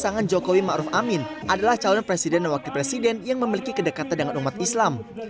jaringan kiai santri nasional adalah jaringan presiden dan wakil presiden yang memiliki kedekatan dengan umat islam